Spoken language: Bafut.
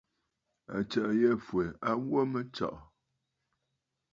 Àtsə̀ʼə̀ yî fwɛ̀ a wo mə tsɔ̀ʼɔ̀.